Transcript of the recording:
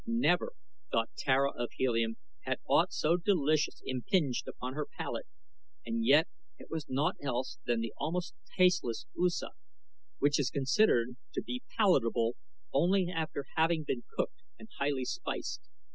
Never, thought Tara of Helium, had aught so delicious impinged upon her palate, and yet it was naught else than the almost tasteless usa, which is considered to be palatable only after having been cooked and highly spiced.